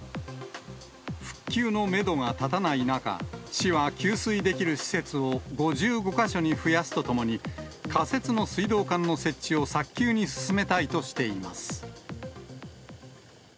復旧のメドが立たない中、市は給水できる施設を５５か所に増やすとともに、仮設の水道管の設置を早急に進めたいとしています。